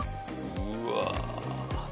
うわ！